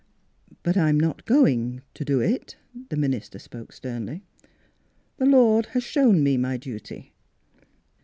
" But I'm not going to do it," the min ister spoke sternly. " The Lord has shown me my duty.